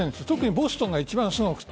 ボストンが一番すごかった。